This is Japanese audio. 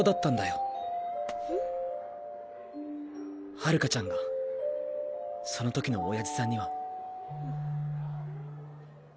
春夏ちゃんがその時の親父さんには。